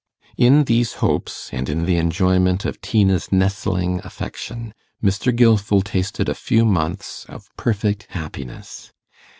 In these hopes, and in the enjoyment of Tina's nestling affection, Mr. Gilfil tasted a few months of perfect happiness.